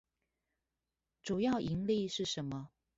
主要營力是什麼？